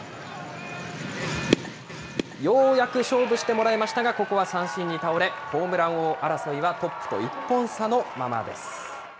ようやく勝負してもらえましたが、ここは三振に倒れ、ホームラン王争いはトップと１本差のままです。